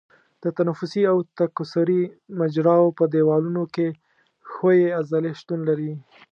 د تنفسي او تکثري مجراوو په دیوالونو کې ښویې عضلې شتون لري.